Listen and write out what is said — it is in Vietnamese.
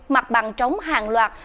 mặt bằng trống hàng loạt